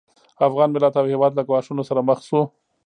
افغان ملت او هېواد له ګواښونو سره مخ شو